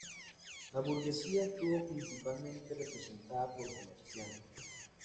La burguesía estuvo principalmente representada por comerciantes.